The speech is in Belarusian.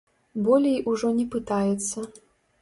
Болей ужо не пытаецца.